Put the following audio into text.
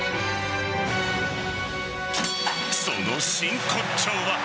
その真骨頂は。